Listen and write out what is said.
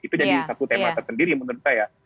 itu jadi satu tema tersendiri menurut saya